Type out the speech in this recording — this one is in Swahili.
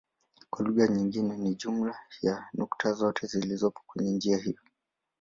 Kwa lugha nyingine ni jumla ya nukta zote zilizopo kwenye njia hiyo.